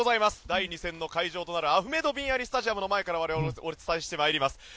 第２戦の会場となるアフメド・ビン・アリ・スタジアムの前から我々はお伝えしてまいります。